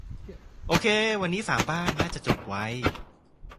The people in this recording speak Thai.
โอเค วันนี้สามบ้าน น่าจะจบไว